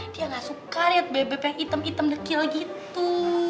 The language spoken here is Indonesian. dia gak suka liat bebe yang item item dekil gitu